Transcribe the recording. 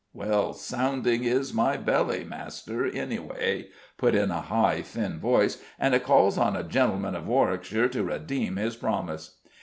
_" "Well sounding is my belly, master, any way," put in a high, thin voice; "and it calls on a gentleman of Warwickshire to redeem his promise."